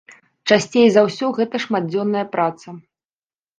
Часцей за ўсё, гэта шматдзённая праца.